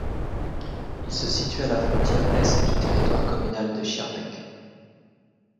Il se situe à la frontière est du territoire communal de Schirmeck.